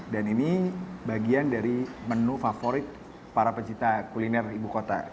dan ini bagian dari menu favorit para pencipta kuliner ibu kota